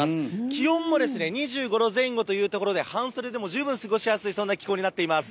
気温も２５度前後ということで、半袖でも十分過ごしやすい、そんな気候になっています。